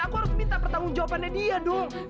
aku harus minta pertanggung jawabannya dia dong